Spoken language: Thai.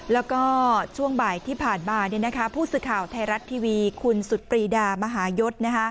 แล้วก็ช่วงบ่ายที่ผ่านมาผู้สื่อข่าวไทยรัฐทีวีคุณสุดปรีดามหายศ